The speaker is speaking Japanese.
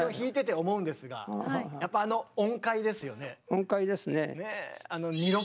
音階ですね。